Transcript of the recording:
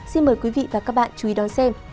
xin mời quý vị và các bạn chú ý đón xem